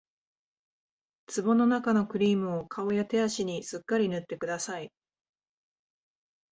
壺のなかのクリームを顔や手足にすっかり塗ってください